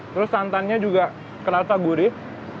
terus santannya juga kenapa gurih